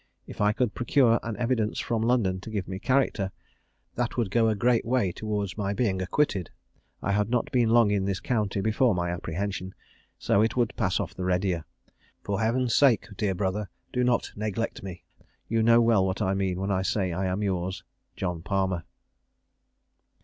If I could procure an evidence from London to give me a character, that would go a great way towards my being acquitted. I had not been long in this county before my apprehension, so it would pass off the readier. For Heaven's sake, dear brother, do not neglect me; you well know what I mean when I say I am yours, "JOHN PALMER."